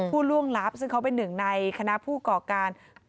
ผู้ล่วงลับซึ่งเขาเป็นหนึ่งในคณะผู้ก่อการ